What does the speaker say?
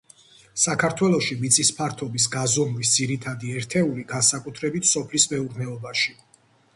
საქართველოში მიწის ფართობის გაზომვის ძირითადი ერთეული, განსაკუთრებით სოფლის მეურნეობაში.